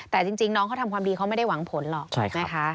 แต่จริงน้องเขาทำความดีเขาไม่ได้หวังผลหรอกนะคะ